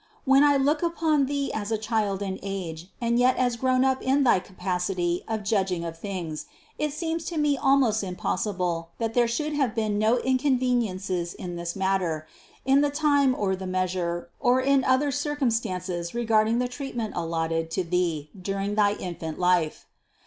When I look upon Thee as a child in age and yet as grown up in thy ca pacity of judging of things, it seems to me almost im possible that there should have been no inconveniences in this matter, in the time or the measure, or in other cir cumstances regarding the treatment allotted to Thee dur ing thy infant life.